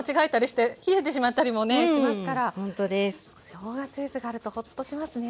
しょうがスープがあるとほっとしますね。